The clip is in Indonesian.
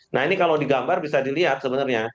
nah ini kalau digambar bisa dilihat sebenarnya